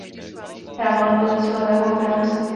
Hrával na pozici levého obránce.